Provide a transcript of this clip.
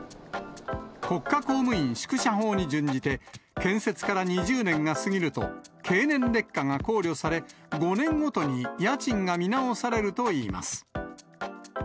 国家公務員宿舎法に準じて、建設から２０年が過ぎると、経年劣化が考慮され、５年ごとに家賃が見直されるといいます。